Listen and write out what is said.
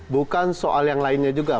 bukan soal yang lainnya juga